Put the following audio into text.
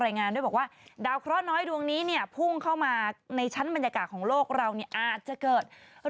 นางคิดแบบว่าไม่ไหวแล้วไปกด